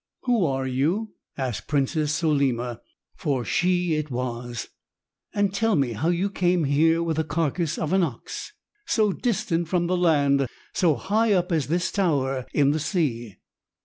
"Who are you?" asked Princess Solima, for she it was. "And tell me how came you here with this carcass of an ox, so distant from the land, so high up as this tower in the sea?"